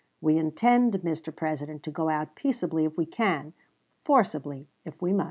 We intend, Mr. President, to go out peaceably if we can, forcibly if we must."